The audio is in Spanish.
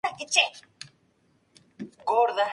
Al quedar sin dinero, tuvo que volver a Liubliana.